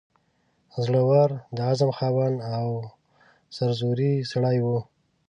زړه ور، د عزم خاوند او سرزوری سړی وو.